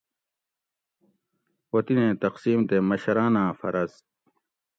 اوطِنیں تقسیم تے مشراناۤں فرض